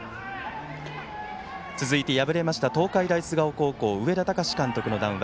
続いて、敗れました東海大菅生上田崇監督の談話